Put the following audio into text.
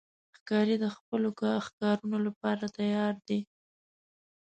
ښکاري د خپلو ښکارونو لپاره تیار دی.